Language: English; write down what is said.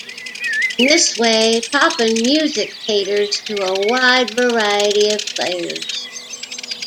In this way, Pop'n Music caters to a wide variety of players.